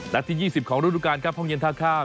ที่๒๐ของฤดูการครับห้องเย็นท่าข้าม